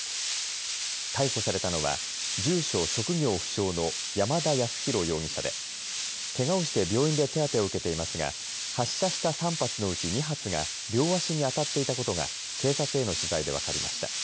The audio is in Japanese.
逮捕されたのは住所、職業不詳の山田康裕容疑者でけがをして病院で手当てを受けていますが発射した３発のうち２発が両足に当たっていたことが警察への取材で分かりました。